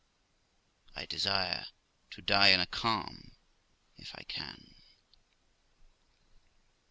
I desire to die in a calm, if I can.'